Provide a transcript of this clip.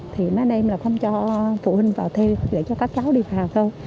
thì mấy anh em là không cho phụ huynh vào thi để cho các cháu đi vào thôi